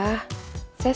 saya habis dari bengkel